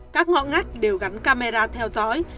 các ngõ ngách đều gắn camera theo dõi